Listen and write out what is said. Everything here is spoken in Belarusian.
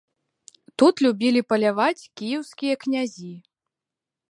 Тут любілі паляваць кіеўскія князі.